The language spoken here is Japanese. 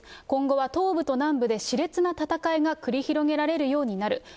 今後は東部と南部でしれつな戦いが繰り広げられるようになる。